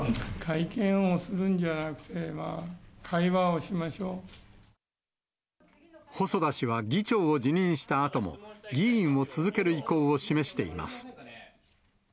会見をするんじゃなくて、細田氏は議長を辞任したあとも、議員を続ける意向を示しています。